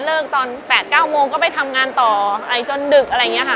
เลิกตอน๘๙โมงก็ไปทำงานต่อจนดึก